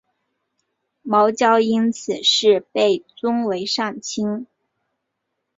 茅焦因此事被尊为上卿。